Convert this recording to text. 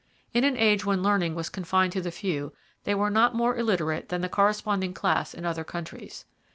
In an age when learning was confined to the few, they were not more illiterate than the corresponding class in other countries.